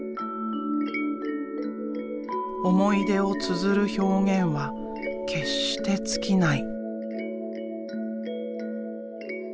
思い出をつづる表現は決して尽きない。